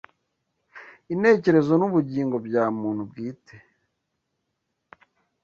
intekerezo n’ubugingo bya muntu bwite.